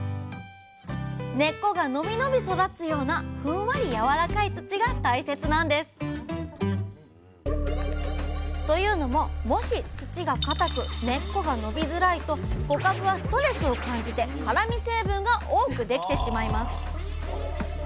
根っこが伸び伸び育つようなふんわり軟らかい土が大切なんです！というのももし土が硬く根っこが伸びづらいと小かぶはストレスを感じて辛み成分が多くできてしまいます。